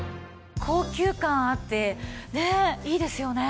高級感あってねいいですよね。